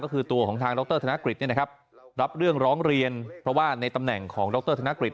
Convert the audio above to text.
ก็คือตัวของทางดรธนกฤษรับเรื่องร้องเรียนเพราะว่าในตำแหน่งของดรธนกฤษ